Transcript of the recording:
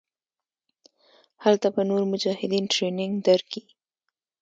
هلته به نور مجاهدين ټرېننگ درکي.